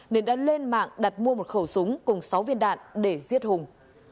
nên đã lên mạng đặt mua một khẩu súng cùng sáu viên đạn để giết hùng